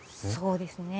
そうですね。